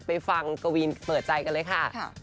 ไปฟังกวีนเปิดใจกันเลยค่ะ